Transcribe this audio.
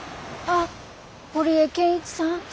あっ堀江謙一さん？